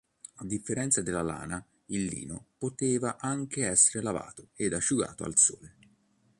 A differenza della lana, il lino poteva anche essere lavato ed asciugato al sole.